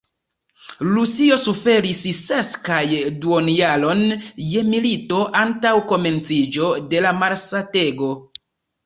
Rusio suferis ses kaj duonjaron je milito, antaŭ komenciĝo de la malsatego.